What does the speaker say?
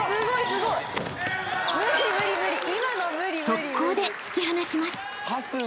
［速攻で突き放します］